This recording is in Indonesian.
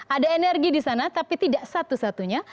ada energi di sana tapi tidak satu satunya